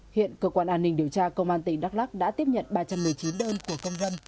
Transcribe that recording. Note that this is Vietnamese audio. hiện cơ quan an ninh điều tra công an tỉnh đắk lắc đã tiếp nhận ba trăm một mươi chín đơn của công dân